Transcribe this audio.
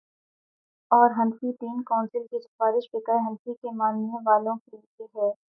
اورحنفی تین کونسل کی سفارش فقہ حنفی کے ماننے والوں کے لیے ہے۔